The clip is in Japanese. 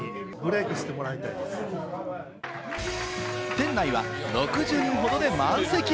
店内は６０人ほどで満席。